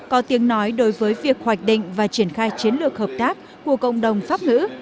có tiếng nói đối với việc hoạch định và triển khai chiến lược hợp tác của cộng đồng pháp ngữ